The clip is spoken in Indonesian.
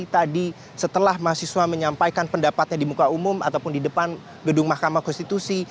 tadi setelah mahasiswa menyampaikan pendapatnya di muka umum ataupun di depan gedung mahkamah konstitusi